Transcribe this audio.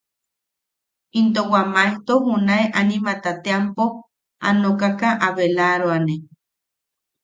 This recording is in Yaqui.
Into wa maejto junae animata teampo a nokaka a belaroane.